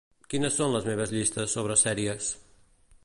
Quines són les meves llistes sobre sèries?